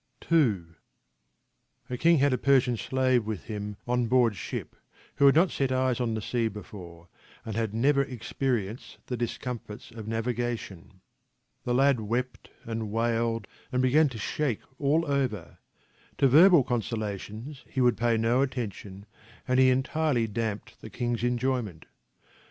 II A king had a Persian slave with him on board ship who had not set eyes on the sea before, and had never experienced the discomforts of navigation. The lad 63 64 TRANSLATIONS FROM THE GULISTAN wept and wailed and began to shake all over; to verbal consolations he would pay no attention, and he entirely damped the king's enjoyment.